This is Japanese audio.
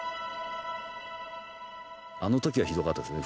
あの時はひどかったですね